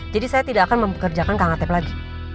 jadi saya tidak akan memperkerjakan kang atep lagi